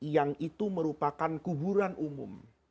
yang itu merupakan kuburan umum